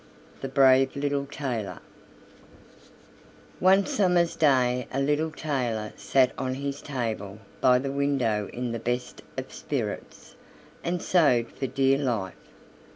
THE BRAVE LITTLE TAILOR One summer's day a little tailor sat on his table by the window in the best of spirits, and sewed for dear life.